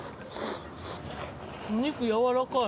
お肉やわらかい。